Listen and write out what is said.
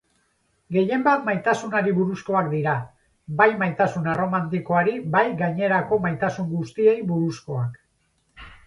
Gehienbat maitasunari buruzkoak dira, bai maitasun erromantikoari bai gainerako maitasun guztiei buruzkoak.